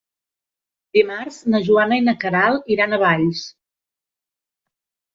Dimarts na Joana i na Queralt iran a Valls.